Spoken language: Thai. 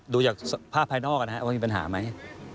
ดูจากสภาพภายนอกนะครับว่ามีปัญหาไหม